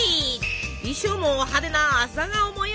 衣装も派手な朝顔模様！